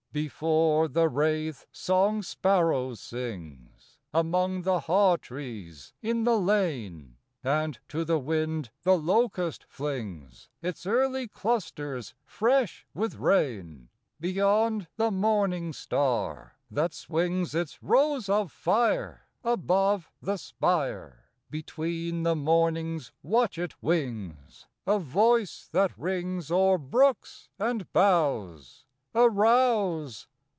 II. Before the rathe song sparrow sings Among the hawtrees in the lane, And to the wind the locust flings Its early clusters fresh with rain; Beyond the morning star, that swings Its rose of fire above the spire, Between the morning's watchet wings, A voice that rings o'er brooks and boughs "Arouse!